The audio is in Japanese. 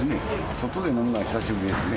外で飲んだのは久しぶりですね。